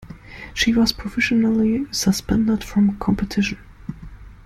She was provisionally suspended from competition.